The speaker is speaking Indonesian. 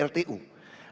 dan mau apalah itu